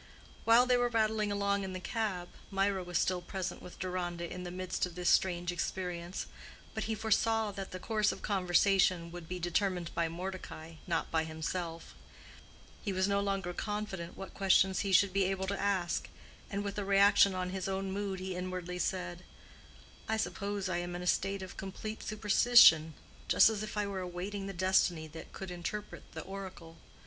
While they were rattling along in the cab, Mirah was still present with Deronda in the midst of this strange experience, but he foresaw that the course of conversation would be determined by Mordecai, not by himself: he was no longer confident what questions he should be able to ask; and with a reaction on his own mood, he inwardly said, "I suppose I am in a state of complete superstition, just as if I were awaiting the destiny that could interpret the oracle.